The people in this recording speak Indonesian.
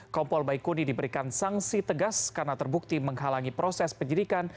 kompol baikuni diberikan sanksi tegas karena terbukti menghalangi proses penyidikan